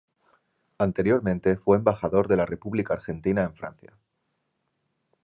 Anteriormente fue embajador de la República Argentina en Francia.